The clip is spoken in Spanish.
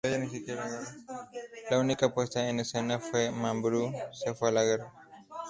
La única puesta en escena fue "Mambrú se fue a la guerra".